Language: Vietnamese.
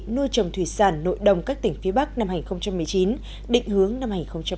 nuôi trồng thủy sản nội đồng các tỉnh phía bắc năm hai nghìn một mươi chín định hướng năm hai nghìn hai mươi